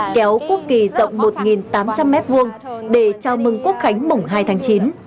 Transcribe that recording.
kéo quốc kỳ rộng một tám trăm linh mét vuông để chào mừng quốc khánh mổng hai tháng chín